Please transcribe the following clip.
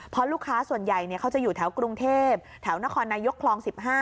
เพราะลูกค้าส่วนใหญ่เขาจะอยู่แถวกรุงเทพแถวนครนายกคลอง๑๕